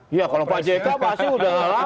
iya kalau pak jk pasti udah lama